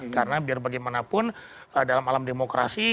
karena biar bagaimanapun dalam alam demokrasi